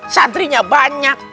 santri nya banyak